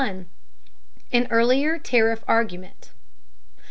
AN EARLIER TARIFF ARGUMENT.